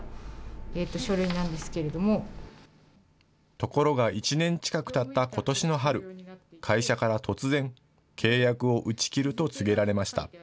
ところが１年近くたったことしの春、会社から突然、契約を打ち切ると告げられました。